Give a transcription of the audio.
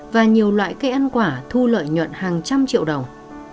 và nhiều loại cây ăn quả thu lợi nhuận hàng trăm triệu đồng